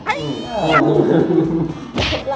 ผลัพเทียม